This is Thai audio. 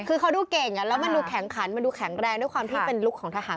คือเขาดูเก่งแล้วมันดูแข็งขันมันดูแข็งแรงด้วยความที่เป็นลุคของทหาร